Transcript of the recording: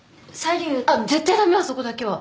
あっ絶対だめあそこだけは。